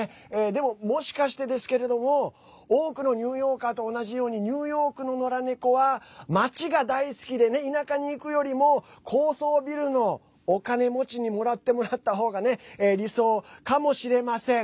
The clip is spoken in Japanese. でも、もしかしてですけれども多くのニューヨーカーと同じようにニューヨークののら猫は街が大好きで、田舎に行くよりも高層ビルのお金持ちにもらってもらったほうが理想かもしれません。